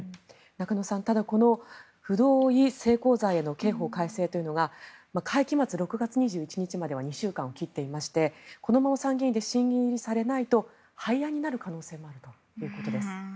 中野さん、ただこの不同意性交罪への刑法改正というのが会期末、６月２１日までは２週間を切っていましてこのまま参議院で審議入りされないと廃案になる可能性もあるということです。